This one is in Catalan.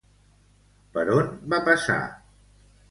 Per on va passar?